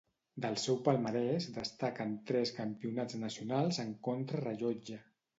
Del seu palmarès destaquen tres Campionats nacionals en contrarellotge.